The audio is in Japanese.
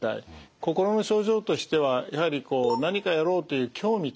心の症状としてはやはりこう何かやろうという興味とかですね